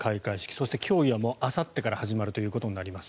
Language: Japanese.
そして、競技はあさってから始まるということになります。